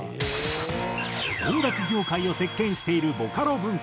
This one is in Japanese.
音楽業界を席巻しているボカロ文化。